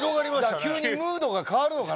急にムードが変わるのかな？